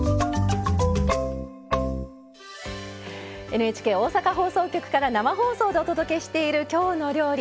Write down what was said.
ＮＨＫ大阪放送局から生放送でお届けしている「きょうの料理」。